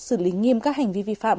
xử lý nghiêm các hành vi vi phạm